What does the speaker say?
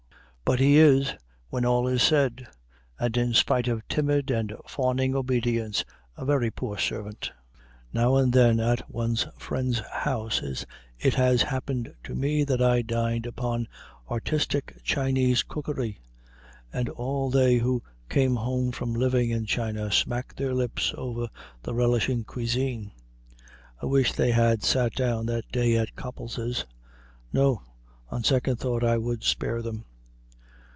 But he is, when all is said, and in spite of timid and fawning obedience, a very poor servant. Now and then at one friend's house it has happened to me that I dined upon artistic Chinese cookery, and all they who come home from living in China smack their lips over the relishing cuisine. I wish they had sat down that day at Copples's. No; on second thought I would spare them.